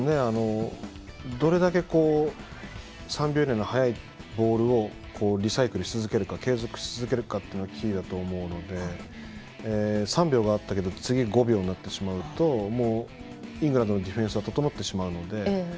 どれだけ３秒以内に早くボールをリサイクルするか継続し続けるかがキーだと思うので３秒があったけど次５秒になってしまうとイングランドのディフェンスが整ってしまうので。